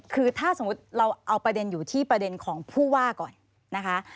คือถ้าสมมุติเราเอาประเด็นอยู่ที่ประเด็นของผู้ว่าก่อนนะคะ